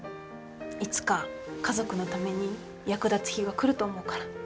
いつか家族のために役立つ日が来ると思うから。